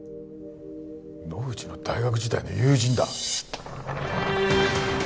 野口の大学時代の友人だ。